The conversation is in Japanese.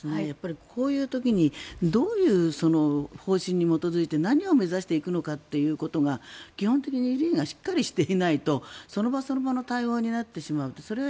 こういう時にどういう方針に基づいて何を目指していくのかということが基本的にしっかりしていないとその場その場の対応になっています。